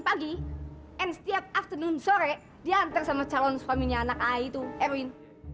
pagi and setiap afternoon sore diantar sama calon suaminya anak itu erwin